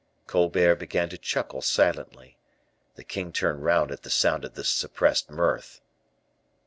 Colbert began to chuckle silently. The king turned round at the sound of this suppressed mirth.